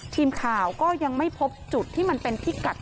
ทีมข่าวก็ยังไม่พบจุดที่มันเป็นพิกัด